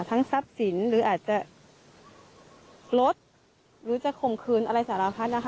ทรัพย์สินหรืออาจจะลดหรือจะข่มขืนอะไรสารพัดนะคะ